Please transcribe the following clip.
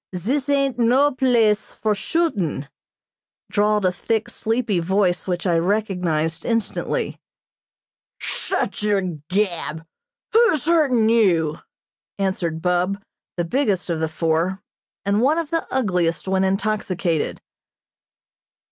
Zis ain't no place for shootin'," drawled a thick, sleepy voice which I recognized instantly. "Shut yer gab! Who's hurtin' you?" answered Bub, the biggest of the four, and one of the ugliest when intoxicated.